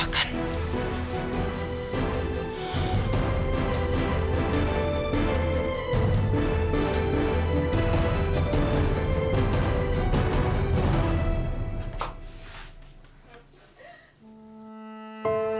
attitude yang buruk gitu